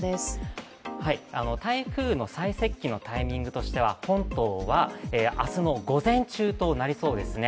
台風の最接近のタイミングとしては本島は明日の午前中となりそうですね。